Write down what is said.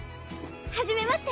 はじめまして。